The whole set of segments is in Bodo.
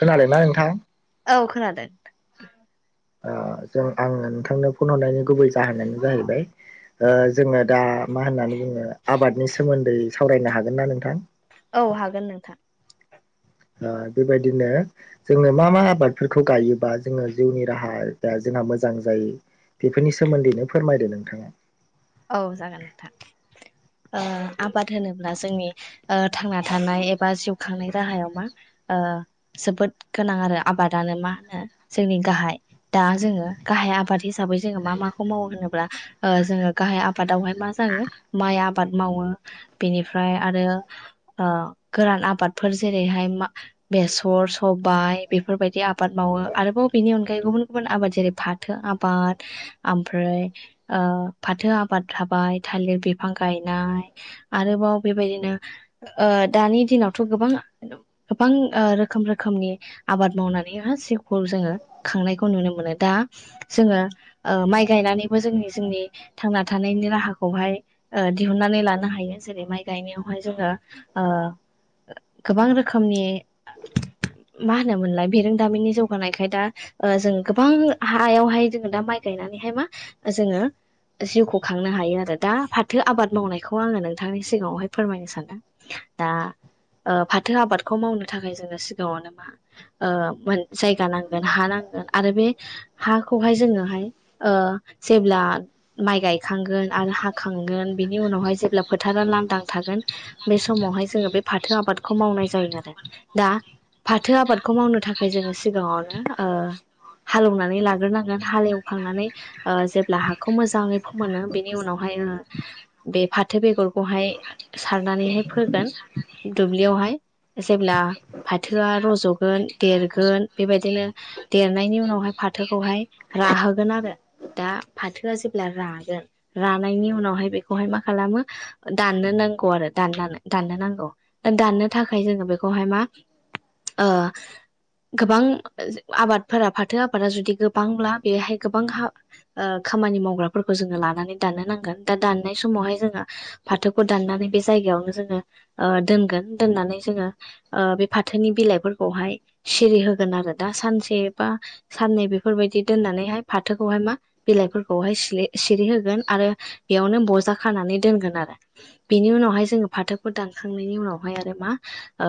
खोनादोंना नोंथां? औ खोनादों ओ जों आङो नोंथांनो फन हरनायनि गुबै जाहोनानो जाहैबाय ओ जोङो दा मा होननानै बुङो आबादनि सोमोन्दै सावरायनो हागोन ना नोंथां? औ हागोन नोंथां ओ बेबायदिनो जोङो मा मा आबादफोरखौ गायोबा जोङो जिउनि राहा दा जो ना मोजां जायो बेफोरनि सोमोन्दैनो फोरमायदो नोंथाङा औ जागोन नोंथां। ओ आबाद होनोब्ला जोंनि ओ थांना थानाय एबा जिउ खांनाय राहायाव मा ओ जोबोद गोनां आरो आबादानो मा होनो जोंनि गाहाय दा जोङो गा हाय आबाद हिसाबै जोङो मा माखौ मावो होनोब्ला ओ जोङो गाहाय आबादावहाय मा जायो माइ आबाद मावो बेनिफ्राय आरो ओ गोरान आबादफोर जेरैहाय मा बेसर सबाय बेफोरबायदि आबाद मावो आरो बाव बेनि अनगायै गुबुन गुबुन आबाद जेरै फाथो आबाद आमफ्राय ओ फाथो आबाद थाबाय थालिर बिफां गायनाय आरोबाव बेबायदिनो ओ ओह ओ दानि दिनावथ' गोबां [unintelligible] गोबां ओ रोखोम रोखोमनि आबाद मावनानैहा जिउख खौ जोङो खांनायखौ नुनो मोनो। दा जोङो ओ माइ गायनानैबो जोंनि जोंनि थांना थानायनि राहाखौहाय ओ दिहुनन्नानै लानो हायो। जेरै माइ गायनायावहाय जोङो ओ ओ [unintelligible] गोबां रोखोमनि [inaudible] मा होनोमोनलाय बिरोंदामिननि जौगानायखाय दा ओ जों गोबां हायावहाय जोङो दा माइ गाय नानैहाय मा ओ जोङो जिउखौ खांनो हायो आरो दा फाथो आबाद मावनायखौ आङो नोंथांनि सिगाङावहाय फोरमायनो सानदों। दा फाथो आबादखौ मावनो थाखाय जोङो सिगाङावनो मा मोन जायगा नांगोन हा नांगोन। आरो बे हाखौहाय जोङोहाय ओ जेब्ला माइ गायखांगोन आरो हाखांगोन बिनि उनावहाय जेब्ला फोथारा लांदां थागोन बे समाव। ओमफ्राय जोङो बे फाथो आबादखौ मावनाय जायो आरो दा फाथो आबादखौ मावनो थाखाय जोङो सिगाङावनो। हाल एवनानै लाग्रोनांगोन हाल एवखांनानै ओ जेब्ला हाखौ मोजाङै फोमोनो बेनि उनावहाय बे फाथो बेगरखौहाय सारनानैहाय फोगोन दुब्लियावहाय जेब्ला फाथोआ रज'गोन देरगोन बेबायदिनो देरनायनि उनावहाय। फाथोखौहाय राहोगोन आरो दा फाथो जेब्ला रागोन रानायनि उनावहाय बेखौहाय मा खालामो दाननो नांगौ आरो दान दाननो नांगौ दा दाननो थाखाय जोङो बेखौहाय मा ओ गोबां आबादफोरा फाथो आबादा जुदि गोबांब्ला बेहाय गोबां ओ खामानि मावग्राफोरखौ जोङो लानानै दाननो नांगोन दा दाननाय समावहाय जोङो फाथोखौ दाननानै बे जायगा यावनो जोङो ओ दोनगोन दोननानै जोङो ओ बे फाथोनि सिलाइफोरखौहाय होगोन आरो दा सानसे बा साननै बेफोरबायदि दोननानैहाय फाथोखौहाय मा बिलाइफोरखौहाय सिरि होगोन आरो बेयावनो बजा खानानै दोनगोन आरो बिनि उनाव फाथोखौ दानखांनायनि उनावहाय आरो मा ओ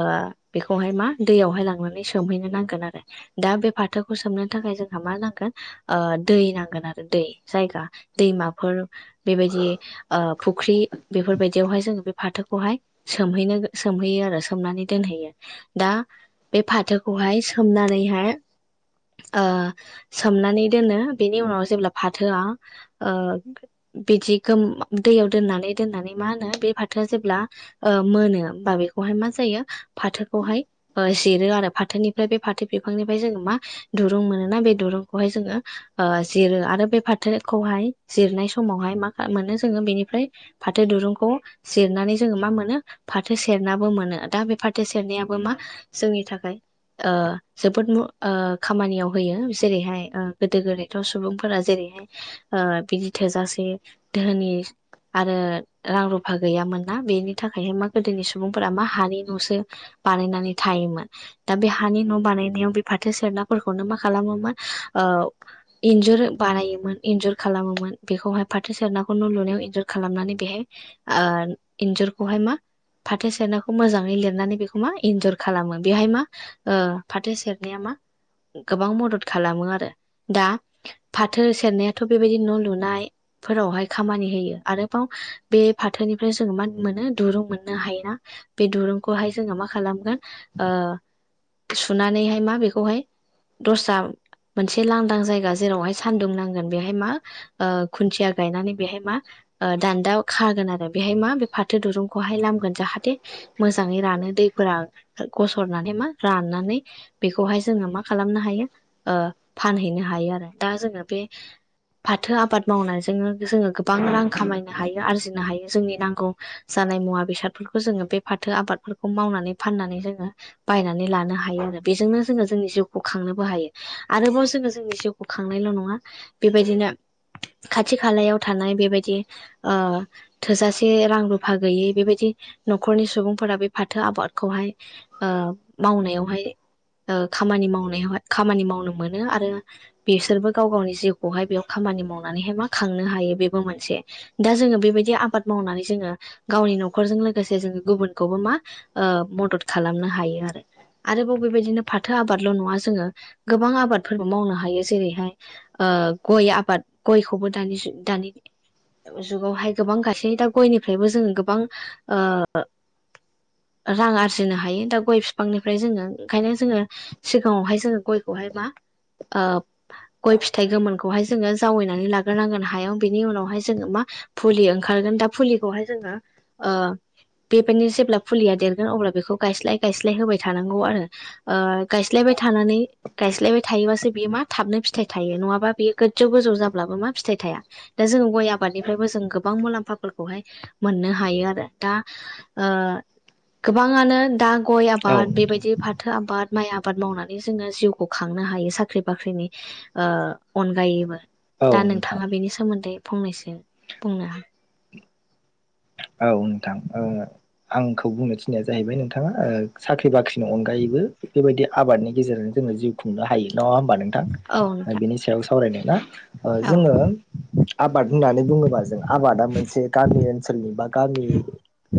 बेखौहाय मा दैयावहाय लांनानै सोम हैनो नांगोन आरो दा बे फाथोखौ सोमनो थाखाय जोंहा मा नांगोन दै नांगोन आरो। दै जायगा दैमाफोर बेबायदि फुख्रि बेफोरबायदियावहाय जों बे फाथोखौहाय सोमहैनो सोमहैयो आरो सोमनानै दोनहैयो। दा बे फाथोखौहाय सोमनानैहाय ओ सोमनानै दोनो बेनि उनाव जेब्ला फाथोआ ओ बिदि गो दैयाव दोननानै दोननानै मा होनो बे फाथो जेब्ला मोनो होमबा बेखौहाय मा जायो फाथोखौहाय जिरो आरो। फाथोनिफ्राय बे फाथो बिफांनिफ्राय जोङो मा दुरुं मोनोना बे दुरुंखौहाय जोङो जिरो आरो। बे फाथोखौहाय जिरनाय समावहाय मा मोनो जोङो बेनिफ्राय फाथो दुरुंखौ जिर नानै जोङो मा मोनो फाथो सेनाबो मोनो दा बे फाथो सेनायाबो मा जोंनि थाखाय ओ जोबोद ओ खामानियाव होयो, जेरैहाय गोदो गोदायथ' सुबुंफोरा जेरै ओ बिदि थोजासे धोनि आरो रां रुफा गैयामोन ना बेनि थाखायनो मा गोदोनि सुबुंफोरा मा हानि न'सो बानायनानै थायोमोन। दा बे हानि न' बानायनायाव बे फाथो सेनाफोरखौनो मा खालामोमोन? ओ इन्जुर बानायोमोन। इन्जुर खालामोमोन बेखौहाय फाथो सेनाखौ न' लुनाय बायदि खालामनानै बेहाय इन्जरखौहाय मा फाथो सेरनाखौ मोजाङै लिरनानै बेखौ मा इन्जर खालामो बेहाय मा ओ फाथो सेरनाया मा? गोबां मदद खालामो आरो। दा फाथो सेरनायाथ' बेबायदि न' लुनायफोरावहाय खामानि होयो आरोबाव बे फाथोनिफ्राय जों मा? मोनो दुरुं मोननो हायोना बे दुरुंखौहाय जोङो मा खालामगोन ओ सुनानैहाय मा बेखौहाय दस्रा मोनसे लांदां जायगा जेरावहाय सान्दुं नांगौ। गोन बेहाय मा ओ खुन्थिया गायनानै बेहाय मा ओ दान्दा खागोन आरो बेहाय मा फाथो दुरुंखौहाय लामगोन जाहाथे मोजाङै रानो दैफोरा गसरनानै मा रानो नानै बेखौहाय जोङो मा खालामनो हायो ओ फानहैनो हायो आरो दा जोङो बे [inaudible] फाथो आबाद मावनायजोंनो जोङो गोबां रां खामायनो हायो आरजिनो हायो जोंनि नांगौ जानाय नाय मुवा बेसादफोरखौ जोङो बे फाथो आबादफोरखौ मावनानै फाननानै जोङो बायनानै लानो हायो आरो बे बेजोंनो जोङो जोंनि जिउखौ खांनोबो हायो, आरोबाव जोङो जोंनि जिउखौ खांनायल' नङा। बेबायदिनो खाथि खालायाव थानाय बेबायदि ओ थोजासे रां रुफा गैयै बेबायदि न'खरनि सुबुंफोरा बे फाथो आबादखौहाय ओ मावनायावहाय ओ खामानि मावनायावहाय खामानि मावनो मोनो आरो बेसोरबो गाव गावनि जिउखौहाय बेयाव खामानि मावनानैहाय मा खांनो हायो बेबो मोनसे दा जोङो बेबायदि आबाद मावनानै जो ङो गावनि न'खरजों लोगोसे जोङो गुबुनखौबो मा मदद खालामनो हायो आरो आरोबाव बेबायदिनो फाथो आबादल' नङा जोङो गोबां आबादफोरबो मावनो हायो जेरैहाय ओ गय आबाद गयखौबो दानि दानि जुगावहाय गोबां गायसै दा गयनिफ्रायबो जोङो गोबां ओ [inaudible] रां आरजिनो हायो दा गय फिफांनिफ्राय जोङो ओंखायनो जोङो सिगाङावहाय जोङो गयखौहाय मा आ गय फिथ थाय गोमोनखौहाय जोङो जावैनानै लाग्रो नांगोन हायाव बिनि उनावहाय जोङो मा फुलि ओंखारगोन दा फुलि लि खौहाय जोङो ओ बेबिनि जेब्ला फुलिया देरगोन अब्ला बेखौ गायस्लाय गायस्लाय होबाय थानांगौ आरो ओ गायस्लायबाय थानानै गायस्लायबाय थायोबासो बेयो मा थाबनो फिथाइ थाइयो नङाबा बेयो गोजौ गोजौ जाब्लाबो मा फिथाइ थाया दा जों गय आबादनिफ्रायबो जों गोबां गलाम्फाफोर खौहाय मोननो हायो आरो दा ओ गोबांङानो दा गय औ आबाद नोंथां बेबायदि फाथो आबाद माइ आबाद मावनानै जोङो जिउखौ खांनो हायो साख्रि बाख्रिनि ओ अनगायैबो औ दा नोंथां नोंथाङा बेनि सोमोन्दै फंनैसो बुंनो हा औ नोंथां ओ आंखौ बुंनो थिननाय जाहैबाय नोंथाङा साख्रि बाख्रिनि अनगायै बो बेबायदि आबादनि गेजेरजों जोङो जिउ खुंनो हायो नङा होमबा नोंथां औ नोंथां बिनि सायाव सावरायनाय ना औ जोङो आबाद होननानै बुङोबा जों आबादा मोनसे गामि ओनसोलनि बा जोंनि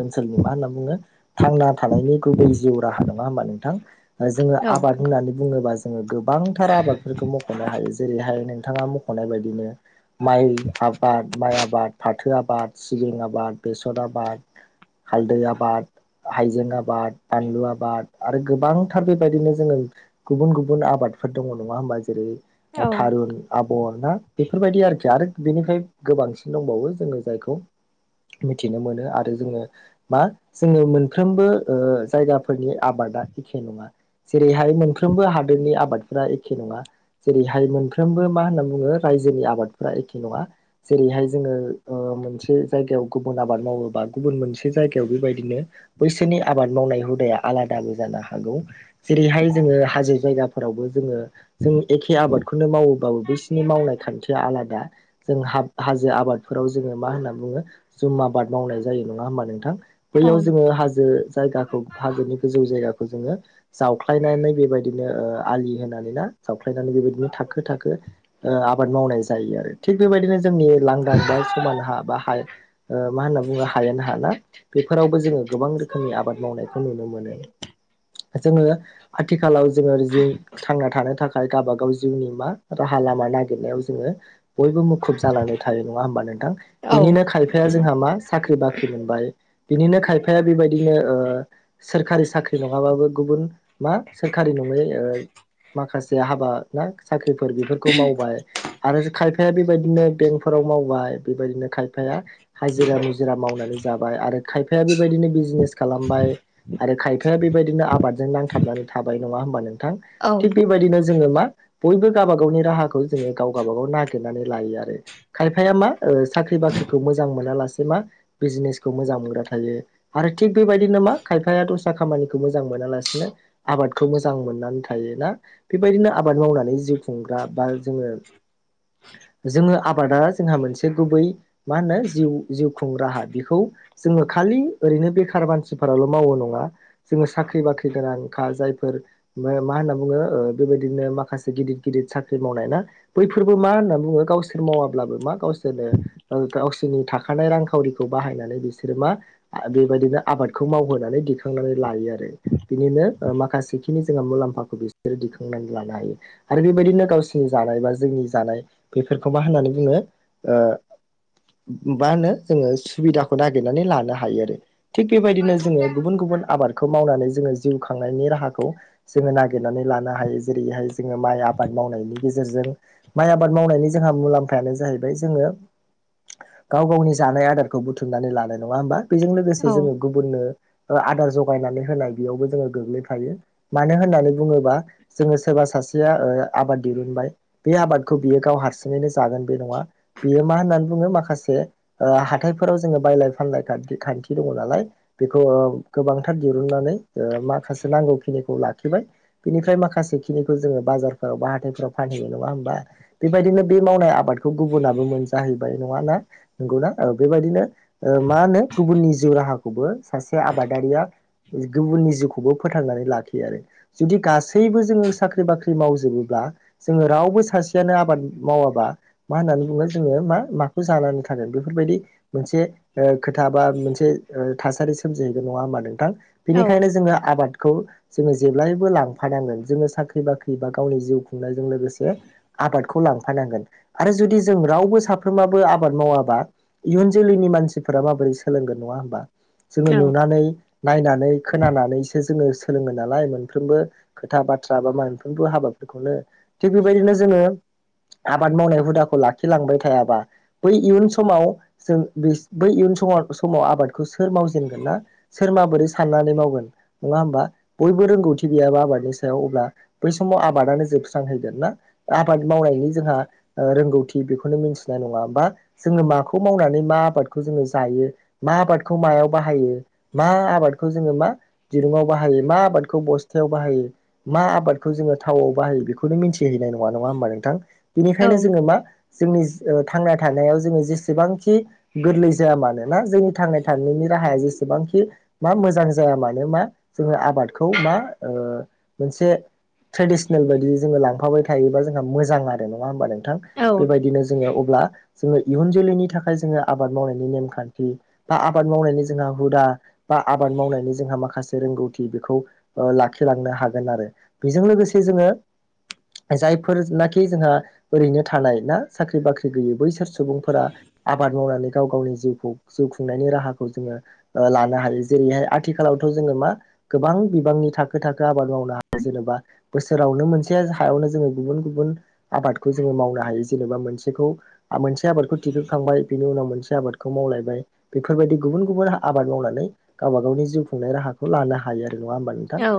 ओनसोलनि मा होनना बुङो थांना थानायनि गुबै जिउ राहा नङा होमबा नोंथां जोङो औ आबाद होननानै बुङोबा जोङो गोबांथार आबादफोरखौ मख'नो हायो जेरैहाय नों थाङा मख'नाय बायदिनो माइ आबाद माइ आबाद फाथो आबाद सिबिं आबाद बेसर आबाद हालदै आबाद हाइजें आबाद बानलु आबाद आरो गोबांथार बेबायदिनो जोङो गुबुन गुबुन आबाद फोर दङ नङा होमबा जेरै थारुन आबर ना बेफोरबायदि आरोखि आरो बिनिफ्राय गोबांसिन दंबावो जोङो जायखौ मिथिनो मोनो आरो जोङो मा जोङो मोनफ्रोमबो ओ जायगाफोरनि आबादा एखे नङा जेरैहाय मोनफ्रोमबो हादोरनि आबादफोरा एखे नङा जेरैहाय मोनफ्रोमबो मा होनना बुङो रायजोनि आबादफोरा एखे नङा जेरैहाय जोङो ओ ओ मोनसे जायगायाव गुबुन आबाद मावोबा गुबुन मोनसे जायगायाव बेबायदिनो बैसोरनि आबाद मावनाय हुदाया आलादाबो जानो नो हागौ जेरैहाय जोङो हाजो जायगाफोरावबो जोङो जों एखे आबादखौनो मावोबाबो बैसिनि मावनाय खान्थिया आलादा जों हाब हाजो आबादफोराव जोङो मा होनना बुङो जुम आबाद मावनाय जायो नङा होमबा नोंथां नंगौ बैयाव जोङो हाजो जायगाखौ हाजोनि गोजौ जायगा जोङो जावख्लायनानै बेबायदिनो ओ आलि होनानै ना जावख्लायनानै बेबायदिनो थाखो थाखो ओ आबाद मावनाय जायो आरो थिग बेबायदिनो जोंनि लांदां बा समान हा बा हाय मा होनना बुङो हायेन हा ना बेफोरावबो जोङो गोबां रोखोमनि आबाद मावनायखौ नुनो मोनो जोङो आथिखालाव जोङो जिउ थांना थानो थाखाय गाबागाव जिउनि मा राहा लामा नागिरनायाव जोङो बयबो मुखुब जानानै थायो नङा होमबा नोंथां औ बेनिनो खाय खायफाया जोंहा मा साख्रि बाख्रि मोनबाय बिनिनो खाय -फाया बेबायदिनो सोरखारि साख्रि नङाबाबो गुबुन मा सोरखारि नङै ओ माखासे हाबा ना साख्रिफोर बेफोरखौ मावबाय आरो खायफाया बेबायदिनो बेंकफोराव मावबाय बेबायदिनो खायफाया हाजिरा मुजिरा मावनानै जाबाय आरो खायफाया बेबायदिनो बिजनेस खालामबाय आरो खायफाया बेबायदिनो आबादजों नांथाबनानै थाबाय नङा हमबा नों? -थां औ थिग बेबायदिनो जोङो मा बयबो गावबा गावनि राहाखौ जोङो गावगा बागाव नागिरनानै लायो आरो खायफाया मा ओ साख्रि बाख्रिखौ मोजां मोनालासे मा बिजनेसखौ मोजां मोनग्रा थायो आरो थिग बेबायदिनो मा खायफाया दस्रा खामानिखौ मोजां मोनालासिनो आबादखौ मोजां मोननानै थायोना बेबायदिनो आबाद मावनानै जिउ खुंग्रा बा बा जोङो [inaudible] जोङो आबादा जोंहा मोनसे गुबै मा होनो जिउ जिउ खुं राहा बेखौ जोङो खालि ओरैनो बेखार मानसिफोराल' मावो नङा जोङो साख्रि बाख्रि गोनांखा जायफोर मा होनना बुङो बेबायदिनो माखासे गिदिर गिदिर साख्रि मावनाय ना बैफोरबो मा होनना बुङो गावसोर मावाब्लाबो मा गावसोरनो गाव नि थाखानाय रांखावरिखौ बाहायनानै बिसोरो मा बेबायदिनो आबादखौ मावहोनानै दिखांनानै लायो आरो बिनिनो माखासेखिनि जों मुलामफाखौ बिसोर दिखांनानै लानो हायो आरो बेबाय दिनो गावसिनि जानाय बा जोंनि जानाय बेफोरखौ मा होननानै बुङो ओ [inaudible] मा होनो जोङो सुबिदाखौ नागिरनानै लानो हायो आरो। थिग बेबायदिनो जोङो गुबुन गुबुन आबाद खौ मावनानै जोङो जिउ खांनायनि राहाखौ जोङो नागिरनानै लानो हायो जेरैहाय जोङो माइ आबादनि मावनायनि गेजेरजों माइ आबाद मावनायनि जोंहा मुलाम्फायानो जाहैबाय जोङो [inaudible] गाव गावनि जानाय आदारखौ बुथुमनानै लानाय नङा होमबा बेजों लोगोसे औ जोङो गुबुननो आदार जगायनानै होनाय बेयावबो जोङो गोग्लैफायो मानो होननानै बुङोबा जोङो सोरबा सा सेया आबाद दिरुनबाय बे आबादखौ बियो गाव हारसिङैनो जागोन बे नङा बेयो मा होननानै बुङो माखासे हाथायफोराव जोङो बायलाय फानलाय खान्थि दङ नालाय बेखौ ओ गोबांथार दिरुननानै ओ माखासे नांगौखिनिखौ लाख खिबाय बिनिफ्राय माखासे खिनिखौ जोङो बाजारफोराव बा हाथायफोराव फानहैयो नङा होमबा बेबायदिनो बे मावनाय आबादखौ गुबुनाबो मोनजाहै बाय नङाना नगौना बेबायदिनो मा होनो गुबुननि जिउ राहाखौबो सासे आबाद दारिया गुबुननि जिउखौबो फोथांनानै लाखियो आरो जुदि गासैबो जोङो साख्रि बाख्रि मावजोबोब्ला जोङो रावबो सासेयानो आबाद मावाबा मा होननानै बुङो जोङो मा माखौ जानानै थागोन बेफोरबायदि मोनसे खोथा बा मोनसे थासारि सोमजिहैगोन नङा होममा नोंथां बेनिखायनो औ जोङो आबाद खौ जोङो जेब्लायबो लांफानांगोन जोङो साख्रि बाख्रि बा गावनि जिउ खुंनायजों लोगोसे आबादखौ लांफानांगोन आरो जुदि जों रावबो साफ फ्रोमाबो आबाद मावाबा इयुन जोलैनि मानसिफोरा माबोरै सोलोंगोन नङा होमबा जोङो नुनानै नायनानै खोनानानैसो जोङो सोलोङो नालाय मोनफ्रोमबो खोथा बाथ्रा मोनफ्रोमबो हाबाफोरखौनो थि बेबायदिनो जों ओ आबाद मावनाय हुदाखौ लाखिलांबाय थायाबा बै इयुन समाव जों बिस बै इयुन समाव समाव आबादखौ सोर मावजेनगोन ना सोर माबोरै साननानै मावगोन नङा होमबा बयबो रोंगौथि गैयाबा आबादनि सायाव अब्ला बै समाव आबादानो जोबस्रांहैगोन ना आबाद मावनायनि जोंहा ओ रोंगौथि बेखौ मिथिनाय नङा बा जोङो माखौ मावनानै मा आबादखौ जोङो जायो मा आबादखौ मायाव बाहाय हायो मा आबादखौ जोङो मा दिरुुंआव बाहायो मा आबादखौ बस्थायाव बाहायो मा आबादखौ जोङो थाव बाहायो बेखौनो मिथिहैनाय नङा नङा होमबा नोंथां औ बेनिखायनो जोङो मा जोंनि ओ थांना थानायाव जोङो जेसेबांखि गोरलै जाया मानो ना जोंनि थांना थानायनि राहाया जेसेबांखि मा मोजां जाया मानो मा जोङो आबादखौ मा ओ मोनसे ट्रेडिसनेल बायदि जोङो लांफाबाय थायोबा जोंहा मोजां आरो नङा होनोमबा नों थां औ बेबायदिनो जोङो अब्ला जोङो इयुन जोलैनि थाखाय जोङो आबाद मावनायनि नेमखान्थि बा आबाद मावनायनि जोंहा हुदा बा आबाद मावनायनि जोंहा माखासे रोंगौथि बेखौ ओ लाखिलांनो हागोन आरो बेजों लोगोसे जो ङो जायफोरनाखि जोंहा ओरैनो थानाय। ना साख्रि बाख्रि गैयै बैसोर सुबुंफोरा आबाद मावनानै गाव गावनि जिउखौ जिउ खुंनायनि राहाखौ जोङो लानो हायो जेरैहाय आथिखालावथ' जोङो मा गोबां बिबांनि थाखो थाखो आबाद माव नो हायो जेनेबा बोसोरावनो मोनसे हायावनो जोङो गुबुन गुबुन आबादखौ जोङो मावनो हायो जेनेबा मोनसेखौ आ मोनसे आबादखौ थिखोखांबाय बिनि उनाव मोनसे आबादखौ मावलायबाय बेफोरबायदि गुबुन गुबुन आबाद मावनानै गावबा गावनि जिउ खुंनाय राहाखौ लानो हायो आरो नङा होमबा नोंथां। औ